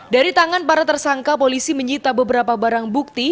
dari tangan para tersangka polisi menyita beberapa barang bukti